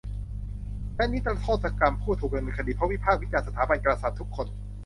และนิรโทษกรรมผู้ถูกดำเนินคดีเพราะวิพากษ์วิจารณ์สถาบันกษัตริย์ทุกคน